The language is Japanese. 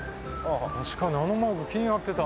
確かにあのマーク気になってた。